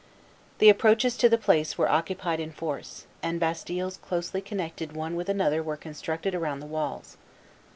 The approaches to the place were occupied in force, and bastilles closely connected one with another were constructed around the walls.